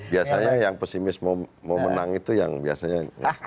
biasanya yang pesimis mau menang itu yang biasanya